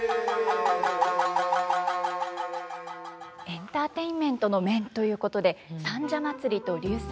エンターテインメントの面ということで「三社祭」と「流星」